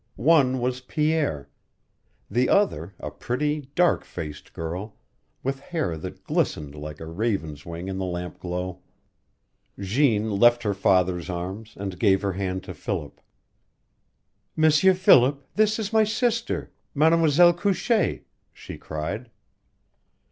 One was Pierre; the other a pretty, dark faced girl, with hair that glistened like a raven's wing in the lamp glow. Jeanne left her father's arms and gave her hand to Philip. "M'sieur Philip, this is my sister, Mademoiselle Couchee," she cried.